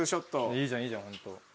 いいじゃんいいじゃん。